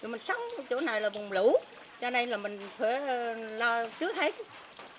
mình sống chỗ này là vùng lũ cho nên là mình phải lo trước hết